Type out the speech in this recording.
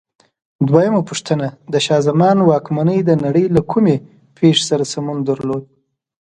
دویمه پوښتنه: د شاه زمان واکمنۍ د نړۍ له کومې پېښې سره سمون درلود؟